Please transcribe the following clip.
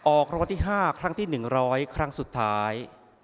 ออกคำวัติห้าครั้งที่หนึ่งร้อยครั้งสุดท้าย